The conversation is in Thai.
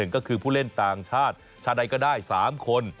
ก็คือผู้เล่นต่างชาติชาติใดก็ได้๓คน